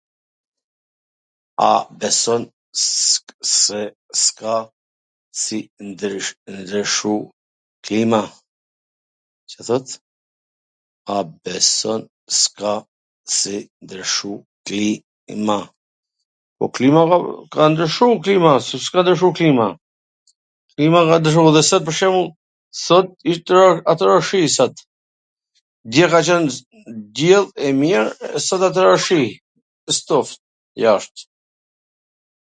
a beson se s' ka ndryshu klima? Ca thot? A beson s' ka si ndryshu klima? Po klima ka ndryshu klima, si s' ka ndryshu klima? Klima ka ndryshu, edhe sot pwr shembull, sot ishte tu ra ... a tu ra shi sot, dje ka qwn diell, e mir, sot a tu ra shi, wsht ftoft jasht....